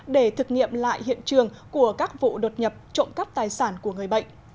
để thực nghiệm lại hiện trường của các vụ đột nhập trộm cắp tài sản của người bệnh